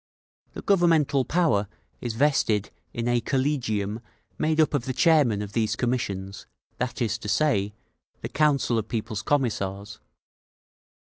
The governmental power is vested in a collegium made up of the chairmen of these commissions, that is to say, the Council of People's Commissars.